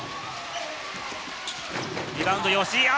リバウンド、吉井。